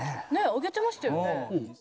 あげてましたよね。